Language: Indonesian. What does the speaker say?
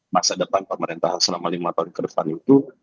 masa depan pemerintahan selama lima tahun ke depan itu